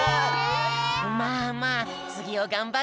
まあまあつぎをがんばって。